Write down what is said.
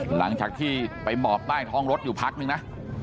หลังจากที่ไปหมอบใต้ท้องรถอยู่พักนึงนะ